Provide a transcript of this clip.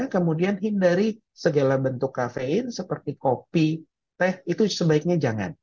kemudian hindari segala bentuk kafein seperti kopi teh itu sebaiknya jangan